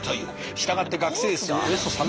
従って学生数およそ３万人。